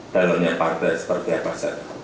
dalamnya partai seperti apa pak